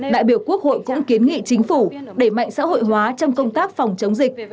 đại biểu quốc hội cũng kiến nghị chính phủ đẩy mạnh xã hội hóa trong công tác phòng chống dịch